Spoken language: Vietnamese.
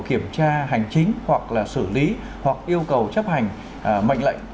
kiểm tra hành chính hoặc là xử lý hoặc yêu cầu chấp hành mệnh lệnh